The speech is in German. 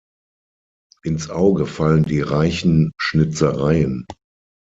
Ins Auge fallen die reichen Schnitzereien.